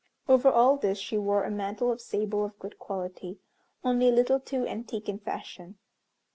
Over all this she wore a mantle of sable of good quality, only a little too antique in fashion.